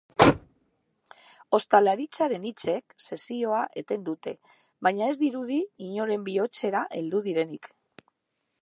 Ostalariaren hitzek sesioa eten dute, baina ez dirudi inoren bihotzera heldu direnik.